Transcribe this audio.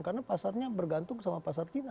karena pasarnya bergantung sama pasar china